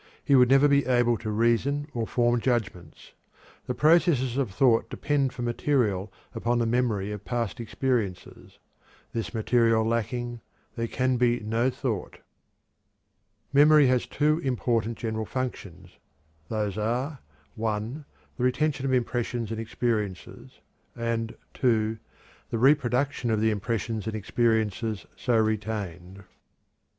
He would never be able to reason or form judgments. The processes of thought depend for material upon the memory of past experiences; this material lacking, there can be no thought. Memory has two important general functions, viz.: (1) The retention of impressions and experiences; and (2) the reproduction of the impressions and experiences so retained.